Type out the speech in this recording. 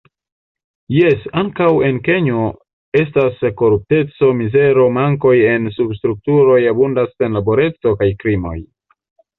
Jes, ankaŭ en Kenjo estas korupteco, mizero, mankoj en substrukturoj, abundas senlaboreco kaj krimoj.